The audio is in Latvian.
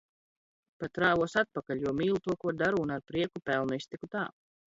Pat rāvos atpakaļ. Jo mīlu to, ko daru un ar prieku pelnu iztiku tā.